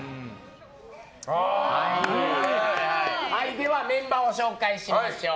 ではメンバーを紹介します。